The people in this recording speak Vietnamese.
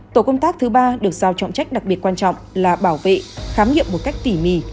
tổ công tác thứ ba được giao trọng trách đặc biệt quan trọng là bảo vệ khám nghiệm một cách tỉ mỉ